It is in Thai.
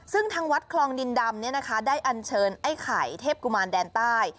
ซึ่งทางวัดคลองดินดำได้อันเชิญไอ้ไข่เทพกุมารแดนใต้